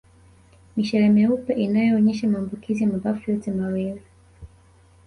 Mishale meupe inayoonyesha maambukizi ya mapafu yote mawili